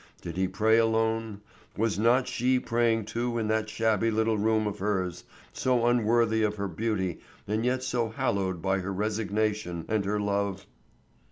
Did he pray alone? Was not she praying too in that shabby little room of hers, so unworthy of her beauty and yet so hallowed by her resignation and her love?